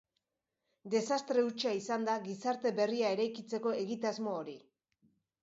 Desastre hutsa izan da gizarte berria eraikitzeko egitasmo hori.